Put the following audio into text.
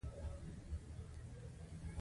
حجروی غشا د حجرې پرده ده